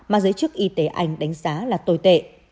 mà giới chức y tế anh đánh giá là tồi tệ